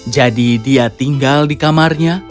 jadi dia tinggal di kamarnya